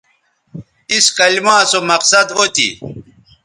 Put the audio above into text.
اِس کلما سو مقصد او تھی